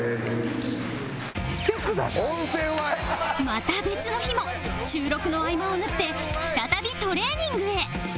また別の日も収録の合間を縫って再びトレーニングへ